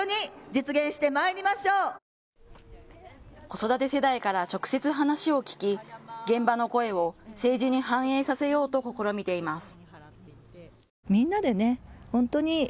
子育て世代から直接話を聞き、現場の声を政治に反映させようと試みています。